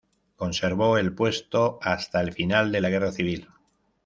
Conservó el puesto hasta el final de la Guerra Civil.